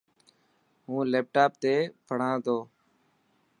هون ليپٽاپ تي پڙهان تو.